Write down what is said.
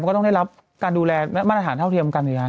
ก็ต้องได้รับการดูแลมาตรฐานเท่าเทียมกันสิครับ